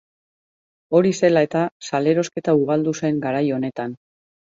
Hori zela eta, sal-erosketa ugaldu zen garai honetan.